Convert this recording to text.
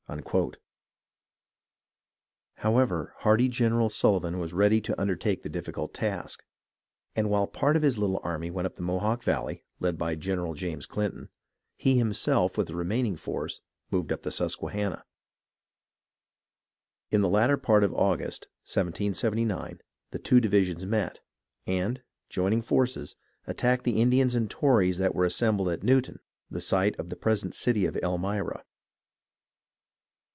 258 HISTORY OF THE AMERICAN REVOLUTION However, hardy General Sullivan was ready to under take the difficult task, and, while a part of his little army went up the Mohawk Valley, led by General James Clin ton, he himself, with the remaining force, moved up the Susquehanna. In the latter part of August, 1779, the two divisions met, and, joining forces, attacked the Indians and the Tories that were assembled at Newtown, the site of the present city of Elmira.